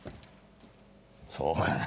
そうかな。